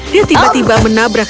dia tiba tiba menabrak